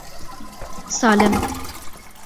سالم.